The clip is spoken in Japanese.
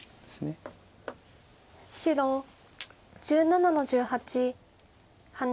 白１７の十八ハネ。